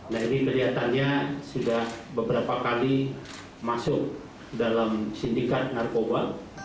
nah ini kelihatannya sudah beberapa kali masuk dalam sindikat narkoba